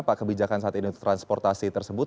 apa kebijakan saat ini transportasi tersebut